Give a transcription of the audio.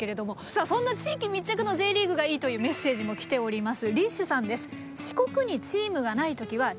さあそんな地域密着のＪリーグがいいというメッセージも来ております。